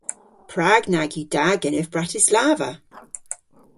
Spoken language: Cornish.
Prag nag yw da genev Bratislava?